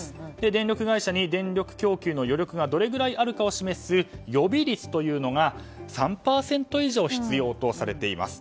電力会社に電力供給の余力がどれぐらいあるかを示す予備率というのが３％以上必要とされています。